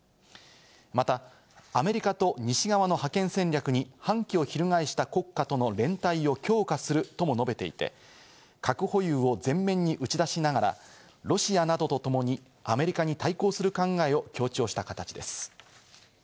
また、アメリカと西側の覇権戦略に反旗をひるがえした国家との連帯を強化するとも述べていて、核保有を前面に打ち出しながら、ロシアなどとともにアメリカに対抗する考えを強調した形です。